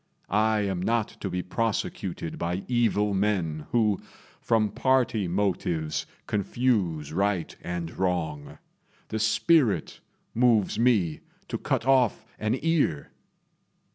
I am not to be prosecuted by evil men who, from party motives, confuse right and wrong. The spirit moves me to cut off an ear."